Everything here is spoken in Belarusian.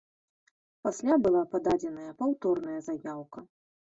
Пасля была пададзеная паўторная заяўка.